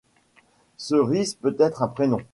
Cerise peut être un prénom.